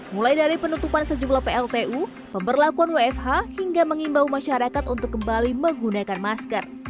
mulai dari penutupan sejumlah pltu pemberlakuan wfh hingga mengimbau masyarakat untuk kembali menggunakan masker